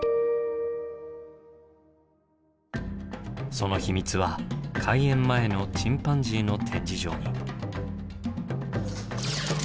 その秘密は開園前のチンパンジーの展示場に。